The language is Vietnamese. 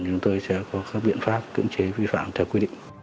chúng tôi sẽ có các biện pháp cưỡng chế vi phạm theo quy định